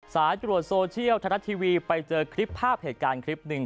สายตรวจโซเชียลไทยรัฐทีวีไปเจอคลิปภาพเหตุการณ์คลิปหนึ่ง